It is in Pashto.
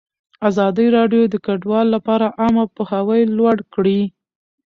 ازادي راډیو د کډوال لپاره عامه پوهاوي لوړ کړی.